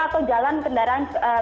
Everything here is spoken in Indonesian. atau jalan kendaraan